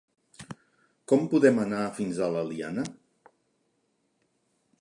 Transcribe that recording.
Com podem anar fins a l'Eliana?